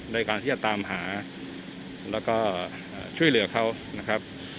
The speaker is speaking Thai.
ในการที่จะตามหาแล้วก็ช่วยเหลือเขานะครับ